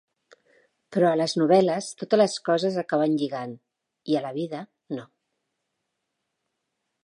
Però a les novel·les totes les coses acaben lligant, i a la vida no.